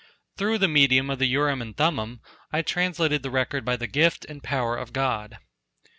Through the medium of the Urim and Thummim I translated the record by the gift, and power of God.